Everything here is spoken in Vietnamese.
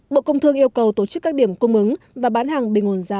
bộ công thương yêu cầu tổ chức các điểm cung ứng và bán hàng bình ổn giá